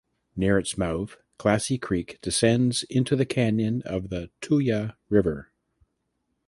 Near its mouth Classy Creek descends into the canyon of the Tuya River.